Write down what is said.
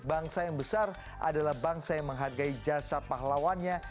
bangsa yang besar adalah bangsa yang menghargai jasa pahlawannya